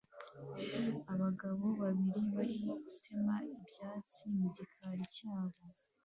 Abagabo babiri barimo gutema ibyatsi mu gikari cyabo